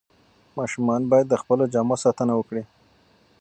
ماشومان باید د خپلو جامو ساتنه وکړي.